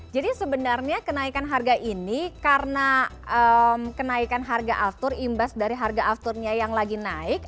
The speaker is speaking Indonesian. jadi sebenarnya kenaikan harga ini karena kenaikan harga altur imbas dari harga alturnya yang lagi naik